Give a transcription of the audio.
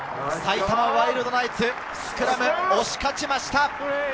埼玉ワイルドナイツ、スクラム、押し勝ちました。